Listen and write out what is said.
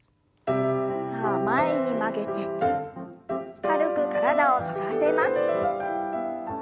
さあ前に曲げて軽く体を反らせます。